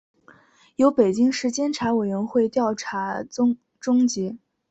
由北京市监察委员会调查终结